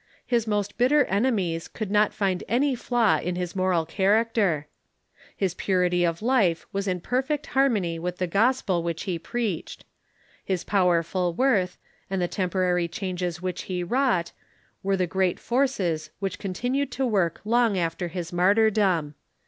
His most bitter enemies could not find any flaw in his moral character. THE AVALDENSES AND THE ALBIGENSES 153 His purity of life was in perfect harmony with the gospel which he preached. His personal worth, and the temporary changes which he wrought, were the great forces which con tinued to work long after his martyrdom.